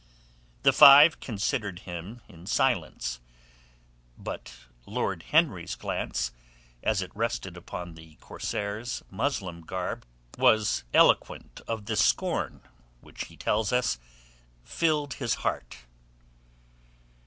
The five considered him in silence, but Lord Henry's glance, as it rested upon the corsair's Muslim garb, was eloquent of the scorn which he tells us filled his heart.